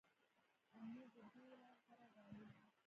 امنیت د دې ولایت غوره ډالۍ وي.